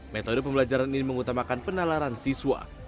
metode pembelajaran ini mengutamakan penalaran siswa